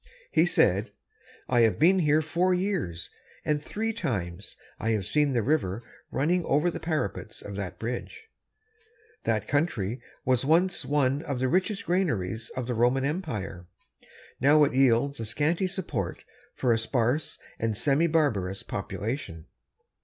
He said: "I have been here four years, and three times I have seen the river running over the parapets of that bridge. That country was once one of the richest granaries of the Roman empire. It now yields a scanty support for a sparse and semi barbarous population."